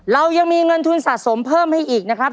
เรายังมีเงินทุนสะสมเพิ่มให้อีกนะครับ